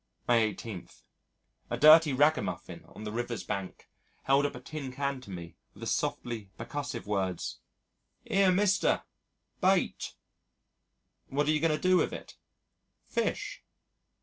May 18. A dirty ragamuffin on the river's bank held up a tin can to me with the softly persuasive words, "'Ere, Mister, BAIT." "What are you going to do with it?" "Fish."